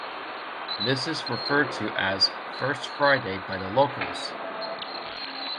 This is referred to as "First Friday" by the locals.